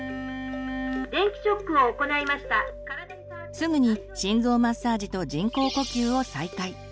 すぐに心臓マッサージと人工呼吸を再開。